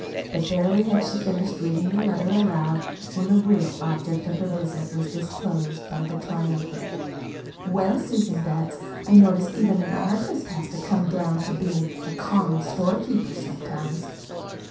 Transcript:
But barely had she finished reading the letter aloud, when the real object of her visit was disclosed by the triumphant: "Well, Susan Betts, I notice even an artist has to come down to bein' a 'common storekeeper' sometimes."